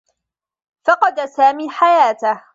فقد سامي حياته.